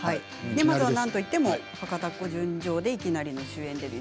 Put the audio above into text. まずはなんといっても「博多っ子純情」でいきなり主演デビュー。